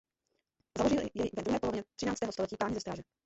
Založili jej ve druhé polovině třináctého století páni ze Stráže.